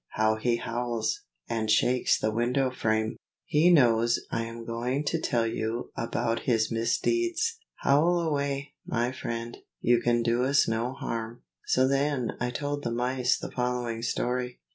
how he howls, and shakes the window frame. He knows that I am going to tell you about his misdeeds. Howl away, my friend; you can do us no harm. So then I told the mice the following story.